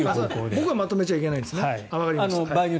僕がまとめちゃいけないですね。